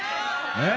えっ？